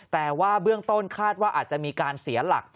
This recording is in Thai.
แต่ว่าเบื้องต้นคาดว่าอาจจะมีการเสียหลัก